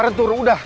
kemarin turun udah